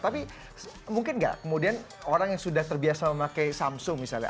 tapi mungkin nggak kemudian orang yang sudah terbiasa memakai samsung misalnya